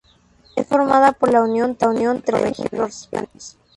Es formada por la unión tres microrregiones.